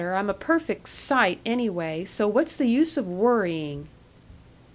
I'm a perfect sight, anyway, so what's the use of worrying!"